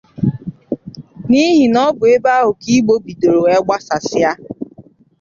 n'ihi na ọ bụ ebe ahụ ka Igbo bidoro wee gbasasịa